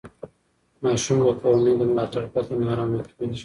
ماشوم د کورنۍ له ملاتړ پرته نارامه کېږي.